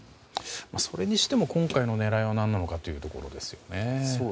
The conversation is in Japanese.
それにしても今回の狙いは何なのかというところですね。